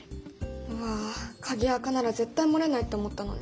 うわあ鍵アカなら絶対漏れないって思ったのに。